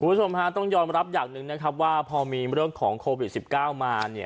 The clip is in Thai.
คุณผู้ชมฮะต้องยอมรับอย่างหนึ่งนะครับว่าพอมีเรื่องของโควิด๑๙มาเนี่ย